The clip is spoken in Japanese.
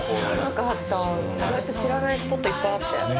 意外と知らないスポットいっぱいあって。